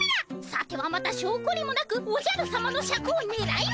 さてはまたしょうこりもなくおじゃるさまのシャクをねらいおるのか！